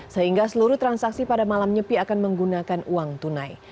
sehingga seluruh transaksi pada malam nyepi akan menggunakan uang tunai